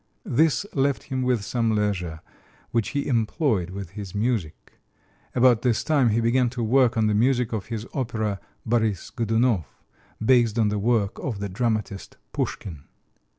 This left him with some leisure, which he employed with his music. About this time he began to work on the music of his opera, "Boris Godounov," based on the work of the dramatist Pushkin.